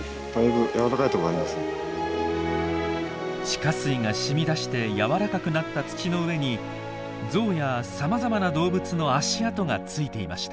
地下水がしみ出して柔らかくなった土の上にゾウやさまざまな動物の足跡がついていました。